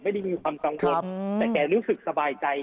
ไม่ได้มีความกังวลแต่แกรู้สึกสบายใจ